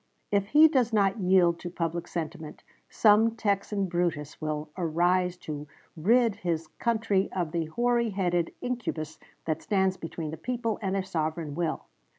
if he does not yield to public sentiment, some Texan Brutus will arise to rid his country of the hoary headed incubus that stands between the people and their sovereign will.